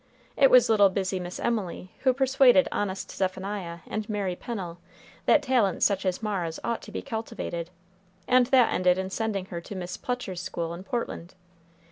It was little busy Miss Emily who persuaded honest Zephaniah and Mary Pennel that talents such as Mara's ought to be cultivated, and that ended in sending her to Miss Plucher's school in Portland.